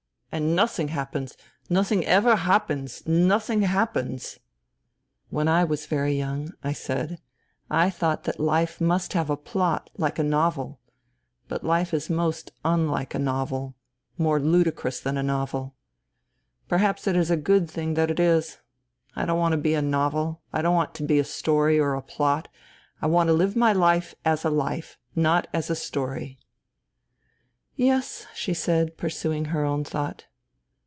And nothing happens. Nothing ever happens. Nothing happens. ..."" When I was very young," I said, " I thought that life must have a plot, like a novel. But life is most unlike a novel ; more ludicrous than a novel. Perhaps it is a good thing that it is. I don't want to be a novel. I don't want to be a story or a plot. I want to live my life as a life, not as a story." " Yes," she said, pursuing her own thought.